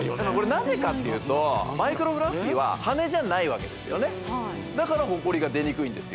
なぜかっていうとマイクロフラッフィーは羽根じゃないわけですよねだからホコリが出にくいんです